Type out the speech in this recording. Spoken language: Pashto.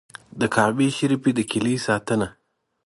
د کعبې شریفې د کیلي ساتنه.